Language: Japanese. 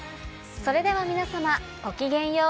それでは皆さまごきげんよう。